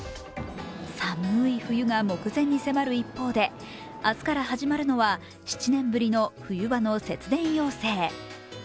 寒い冬が目前に迫る一方で明日から始まるのは、７年ぶりの冬場の節電要請。